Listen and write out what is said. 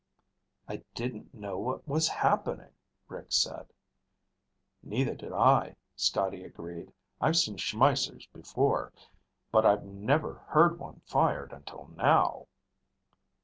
"I didn't know what was happening," Rick said. "Neither did I," Scotty agreed. "I've seen Schmeissers before, but I've never heard one fired until now."